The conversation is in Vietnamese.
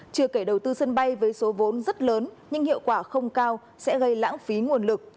chưa kể đầu tư sân bay với số vốn rất lớn nhưng hiệu quả không cao sẽ gây lãng phí nguồn lực